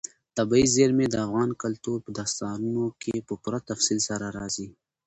طبیعي زیرمې د افغان کلتور په داستانونو کې په پوره تفصیل سره راځي.